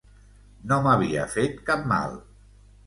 No m'havia fet cap mal.